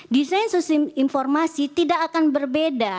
desain sistem informasi tidak akan berbeda